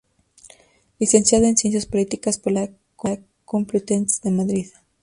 Licenciado en Ciencias Políticas por la Universidad Complutense de Madrid.